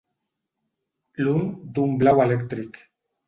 L'un d'un blau elèctric.